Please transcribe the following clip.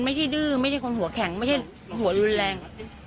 ดื้อไม่ใช่คนหัวแข็งไม่ใช่หัวรุนแรง